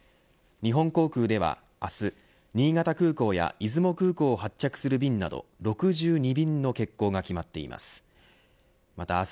日本航空では明日新潟空港や出雲空港を発着する便など６２便の欠航が決まっています。